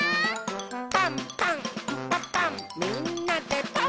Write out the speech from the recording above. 「パンパンんパパンみんなでパン！」